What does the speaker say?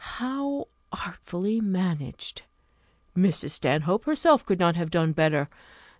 How artfully managed! Mrs. Stanhope herself could not have done better.